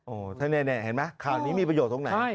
โอ้ยถ้าแน่เห็นไหมคาวนี้มีประโยชน์ทุกอย่าง